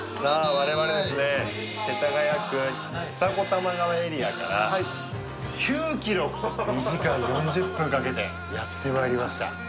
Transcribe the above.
我々ですね世田谷区二子玉川エリアから９キロ２時間４０分かけてやって参りました